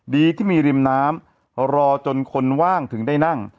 ดีที่มีริมน้ำรอจนคนว่างถึงได้นั่ง